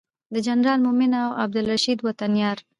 د جنرال مؤمن او عبدالرشید وطن یار